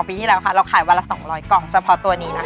ปีที่แล้วค่ะเราขายวันละ๒๐๐กล่องเฉพาะตัวนี้นะคะ